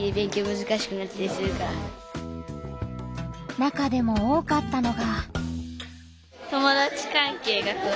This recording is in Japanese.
中でも多かったのが。